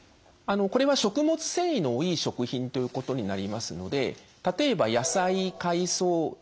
これは食物繊維の多い食品ということになりますので例えば野菜海藻大豆こんにゃくなど。